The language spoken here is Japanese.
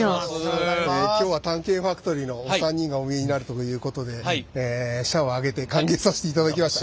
今日は「探検ファクトリー」のお三人がお見えになるということで社を挙げて歓迎させていただきました。